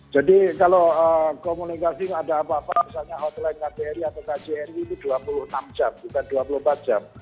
jadi kalau komunikasi ada apa apa misalnya hotline ktri atau kjri itu dua puluh enam jam bukan dua puluh empat jam